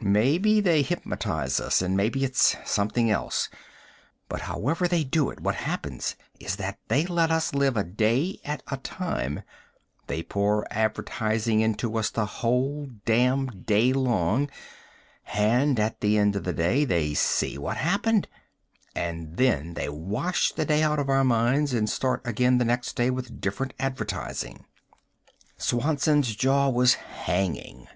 "Maybe they hypnotize us and maybe it's something else; but however they do it, what happens is that they let us live a day at a time. They pour advertising into us the whole damned day long. And at the end of the day, they see what happened and then they wash the day out of our minds and start again the next day with different advertising." Swanson's jaw was hanging.